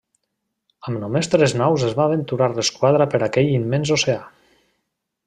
Amb només tres naus es va aventurar l'esquadra per aquell immens oceà.